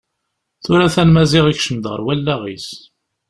Tura a-t-an Maziɣ yekcem-d ɣer wallaɣ-is.